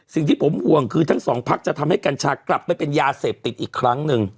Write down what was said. สิ่งที่ผมห่วงคือทั้งสองพักจะทำให้กัญชากลับไปเป็นยาเสพติดอีกครั้งหนึ่ง